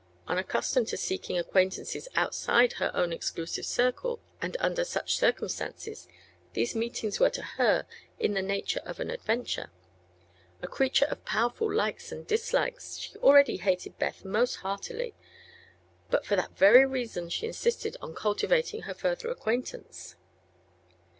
Unaccustomed to seeking acquaintances outside her own exclusive circle, and under such circumstances, these meetings were to her in the nature of an adventure. A creature of powerful likes and dislikes, she already hated Beth most heartily; but for that very reason she insisted on cultivating her further acquaintance.